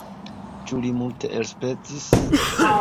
Ĉu li multe elspezis?